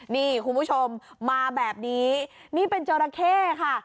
นี่คุณผู้ชมมาแบบนี้นี่เป็นจราเข้ค่ะ